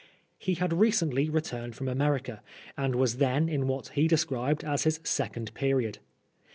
He had recently returned from America, and was then in what he described as his second period.